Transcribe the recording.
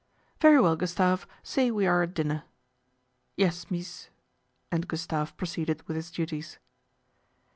1 Very well, Gustave, say we are at dinner/' ' Yes, mees," and Gustave proceeded with his iuties.